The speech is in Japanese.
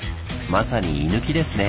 まさに居抜きですね。